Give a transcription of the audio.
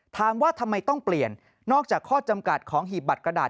ถามว่าทำไมต้องเปลี่ยนนอกจากข้อจำกัดของหีบบัตรกระดาษ